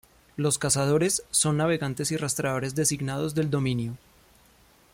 Los Cazadores son navegantes y rastreadores designados del Dominio.